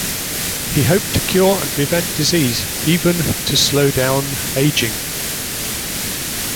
He hoped to cure and prevent disease, even to slow down aging.